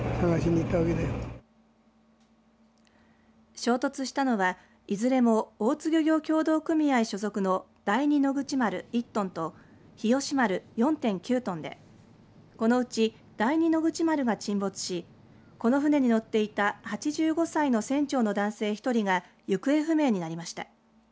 衝突したのはいずれも大津漁業協同組合所属の第二野口丸１トンと日吉丸４．９トンでこのうち第二野口丸が沈没しこの船に乗っていた８５歳の船長の男性１人が行方不明になりました。